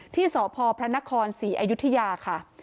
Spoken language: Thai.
ที่สพพระนครศรีอยุธยาค่ะ